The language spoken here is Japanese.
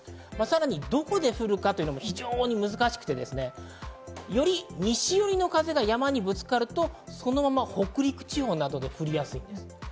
さらにどこで降るかというのも非常に難しくて、より西寄りの風が山にぶつかるとそのまま北陸地方などで降りやすい。